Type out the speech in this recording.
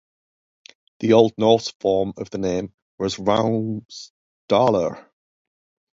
The Old Norse form of the name was "Raumsdalr".